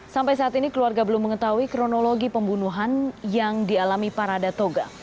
sampai saat ini keluarga belum mengetahui kronologi pembunuhan yang dialami parada toga